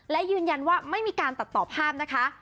และยืนยันว่าไม่มีการตัดต่อภาพนะคะ